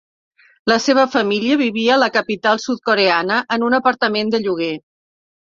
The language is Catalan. La seva família vivia a la capital sud-coreana en un apartament de lloguer.